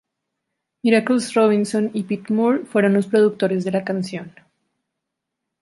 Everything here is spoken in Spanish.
Miracles Robinson y Pete Moore fueron los productores de la canción.